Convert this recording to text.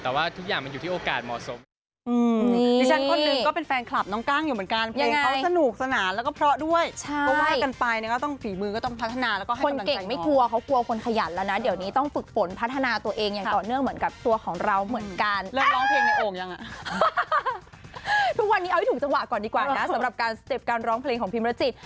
แต่ว่าทุกอย่างมันอยู่ที่โอกาสเหมาะสม